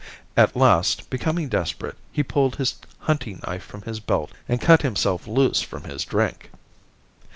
At last becoming desperate, he pulled his hunting knife from his belt and cut himself loose from his drink.